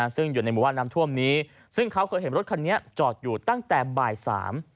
ซึ่งอยู่ในหมู่บ้านน้ำท่วมนี้ซึ่งเขาเคยเห็นรถคันนี้จอดอยู่ตั้งแต่บ่ายสาม